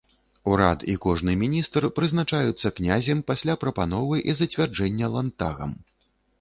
Урад і кожны міністр прызначаюцца князем пасля прапановы і зацвярджэння ландтагам.